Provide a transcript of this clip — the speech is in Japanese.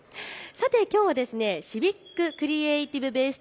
きょうはシビック・クリエイティブ・ベース